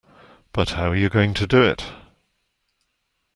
But how are you going to do it.